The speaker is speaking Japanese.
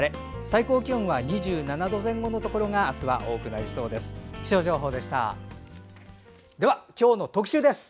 最高気温は２７度前後のところが明日は多くなりそうです。